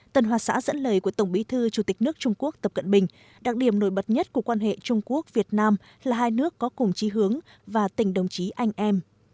tân hoa xã dẫn lời của tổng bí thư chủ tịch nước trung quốc tập cận bình đặc điểm nổi bật nhất của quan hệ trung quốc việt nam là hai nước có cùng trí hướng và tình đồng chí anh em